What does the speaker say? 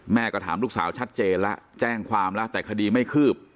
แม่ก็ถามลูกสาวชัดเจนแล้วแจ้งความแล้วแต่คดีไม่คืบ